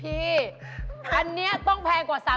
พี่อันนี้ต้องแพงกว่า๓๐บาท